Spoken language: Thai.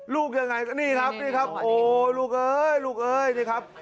ลูกยังไงก็นี่ครับนี่ครับโอ้ลูกเอ้ยลูกเอ้ยนี่ครับ